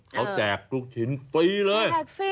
เขาแจกลูกชิ้นฟรีเลย